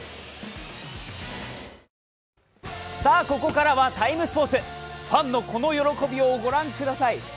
ここからは「ＴＩＭＥスポーツ」ファンのこの喜びを御覧ください。